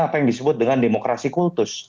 apa yang disebut dengan demokrasi kultus